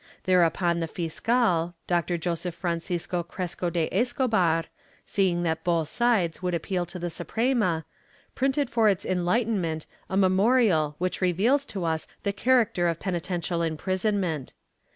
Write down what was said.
Thereupon the fiscal, Doctor Joseph Francisco Cresco de Escobar, seeing that both sides would appeal to the Suprema, printed for its enlightenment a memorial which reveals to us the character of penitential imprisonment.